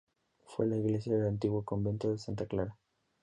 Fue la iglesia del antiguo convento de Santa Clara.